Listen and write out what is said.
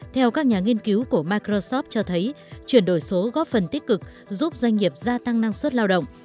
theo các nhà nghiên cứu của microsoft cho thấy chuyển đổi số góp phần tích cực giúp doanh nghiệp gia tăng năng suất lao động